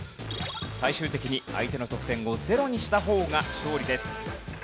最終的に相手の得点をゼロにした方が勝利です。